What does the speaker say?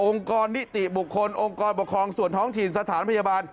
กรนิติบุคคลองค์กรปกครองส่วนท้องถิ่นสถานพยาบาล